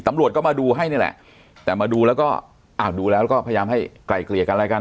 ตำรวจก็มาดูให้นี่แหละแต่มาดูแล้วก็อ้าวดูแล้วก็พยายามให้ไกลเกลี่ยกันอะไรกัน